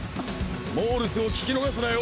モールスを聞き逃すなよ。